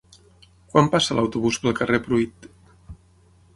Quan passa l'autobús pel carrer Pruit?